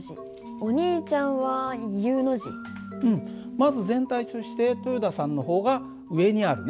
まず全体として豊田さんの方が上にあるね。